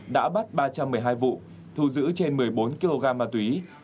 đã bắt ba trăm một mươi hai vụ thu giữ trên một mươi bốn kg ma túy